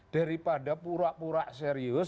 daripada pura pura serius